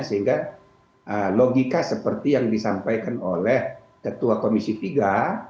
sehingga logika seperti yang disampaikan oleh ketua komisi tiga